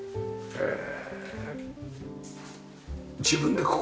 へえ。